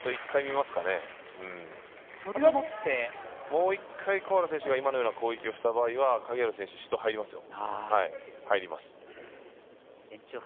もう１回小原選手が今のような攻撃した場合は影浦選手、指導入りますよ。